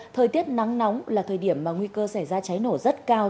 thời tiết nắng nóng là thời điểm mà nguy cơ xảy ra cháy nổ rất cao